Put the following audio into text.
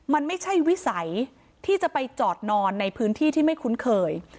มันไม่ใช่วิสัยที่จะไปจอดนอนในพื้นที่ที่ไม่คุ้นเคย